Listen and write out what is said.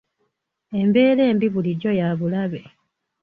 Embeera embi bulijjo ya bulabe.